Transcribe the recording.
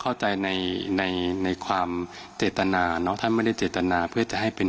เข้าใจในในความเจตนาเนอะท่านไม่ได้เจตนาเพื่อจะให้เป็น